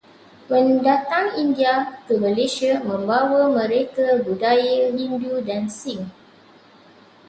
Pendatang India ke Malaysia membawa mereka budaya Hindu dan Sikh.